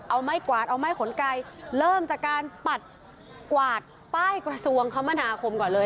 เอาไม้กวาดเอาไม้ขนไก่เริ่มจากการปัดกวาดป้ายกระทรวงคมนาคมก่อนเลย